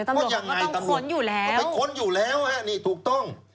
เดี๋ยวตำลดมันต้องคนอยู่แล้วต้องไปคนอยู่แล้วี่นี่ถูกต้อง